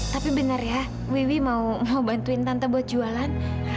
tapi benar ya wiwi mau bantuin tante buat jualan